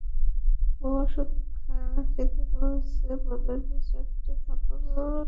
বউ ঔষধ খেতে বলেছে বলে দু-চারটা থাপ্পড়ও লাগিয়েছেন।